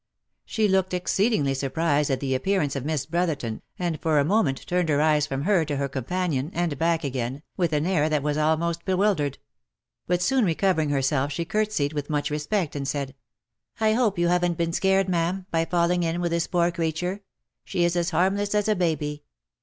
She looked exceedingly surprised at the appearance of Miss Brotherton, and for a moment turned her eyes from her to her com panion, and back again, with an air that was almost bewildered ; but soon recovering herself she courtesied with much respect, and said, " I hope you haven't been scared, ma'am, by falling in with this poor cretur ? She is as harmless as a baby."